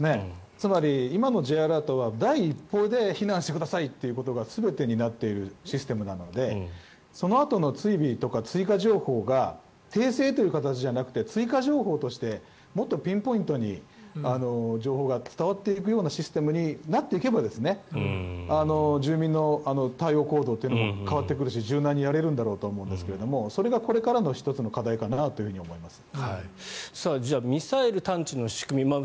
つまり、今のＪアラートは第１報で避難してくださいということが全てになっているシステムなのでそのあとの追尾とか追加情報が訂正という形じゃなくて追加情報としてもっとピンポイントに情報が伝わっていくようなシステムになっていけば住民の対応行動というのも変わってくるし柔軟にやれるんだろうと思うんですがそれがこれからの１つの課題かなと思います。